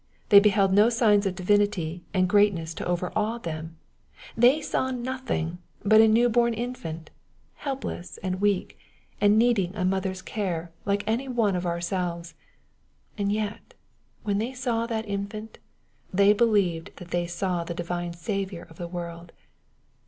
Tb^y beheld no signs of divinity and great^es(i to overawe them. Tbey ^w iiothiftg but a new bom jnfant, helpless and weak, mi oe^cJiug a j»Qtbej:'s care MATTHEW, CHAP. H. 18 like any one of ourselves. And yet when they saw that infant^ they believed that they saw the divine Saviour of the world.